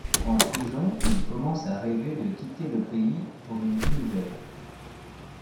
En prison, il commence à rêver de quitter le pays pour une vie nouvelle.